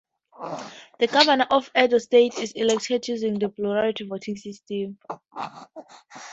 The Governor of Edo State is elected using the plurality voting system.